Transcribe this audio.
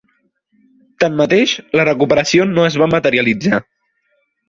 Tanmateix, la recuperació no es va materialitzar.